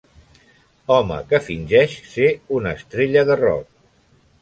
Home que fingeix ser una estrella de rock.